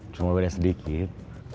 cuma beda sedikit